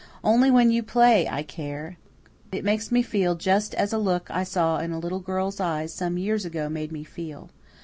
Only when you play I care. It makes me feel just as a look I saw in a little girl's eyes some years ago made me feel.